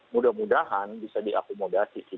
mudah mudahan bisa diakomodasi sih